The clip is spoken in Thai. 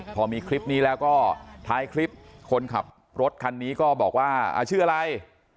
พอมีคลิปนี้แล้วก็ท้ายคลิปคนขับรถคันนี้ก็บอกว่าชื่ออะไร